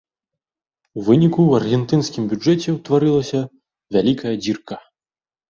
У выніку ў аргентынскім бюджэце ўтварылася вялікая дзірка.